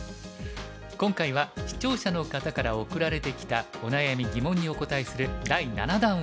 今回は視聴者の方から送られてきたお悩み疑問にお答えする第７弾をお送りします。